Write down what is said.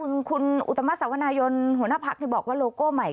วิทยาลัยธรรมดิ์หัวหน้าภักรบอกว่าโลโก้ใหม่